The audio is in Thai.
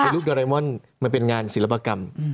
รูปโดเรมอนมันเป็นงานศิลปกรรม